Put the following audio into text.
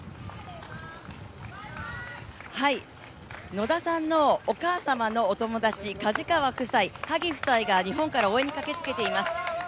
野田さんのお母様のお友達が日本から応援に駆けつけています。